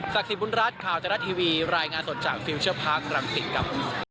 ศักดิ์สิทธิ์บุญรัฐข่าวเจ้ารัดทีวีรายงานสดจากฟิวเจอร์พาร์ครัมศิกรรม